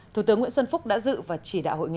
thủ tướng nguyễn xuân phúc đã dự và chỉ đạo hội nghị